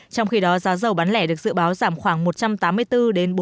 trong khi đó giá dầu bán lẻ được dự báo giảm khoảng một trăm tám mươi bốn bốn trăm ba mươi đồng